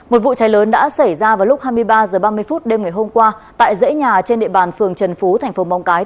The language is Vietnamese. một vụ cháy lớn đã xảy ra vào lúc hai mươi ba h ba mươi phút đêm hôm qua tại rễ nhà trên địa bàn phường trần phú tp mông tây